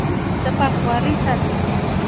زه پاکوالی ساتم.